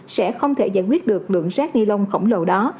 sẽ không thể giải quyết được lượng rác ni lông khổng lồ đó